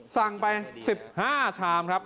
สั่งไป๑๕ชามครับ